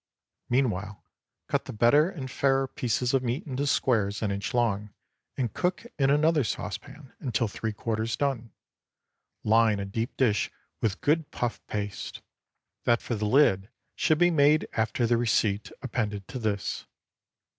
Meanwhile, cut the better and fairer pieces of meat into squares an inch long, and cook in another saucepan until three quarters done. Line a deep dish with good puff paste. That for the lid should be made after the receipt appended to this.